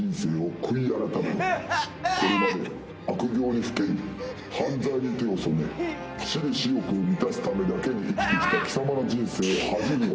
これまで悪行にふけ犯罪に手を染め私利私欲を満たすためだけに生きてきた貴様の人生を恥じるのだ。